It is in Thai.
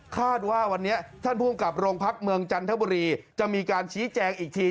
คาดว่าวันนี้ท่านภูมิกับโรงพักเมืองจันทบุรีจะมีการชี้แจงอีกที